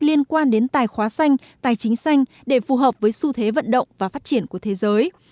liên quan đến tài khoá xanh tài chính xanh để phù hợp với xu thế vận động và phát triển của thế giới